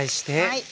はい。